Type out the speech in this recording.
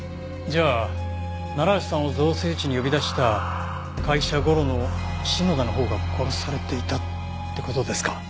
じゃあ楢橋さんを造成地に呼び出した会社ゴロの篠田のほうが殺されていたって事ですか？